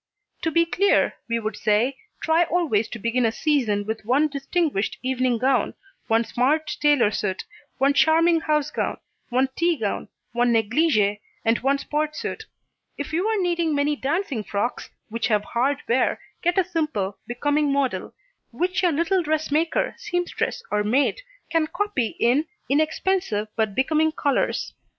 To be clear, we would say, try always to begin a season with one distinguished evening gown, one smart tailor suit, one charming house gown, one tea gown, one negligée and one sport suit. If you are needing many dancing frocks, which have hard wear, get a simple, becoming model, which your little dressmaker, seamstress or maid can copy in inexpensive but becoming colours.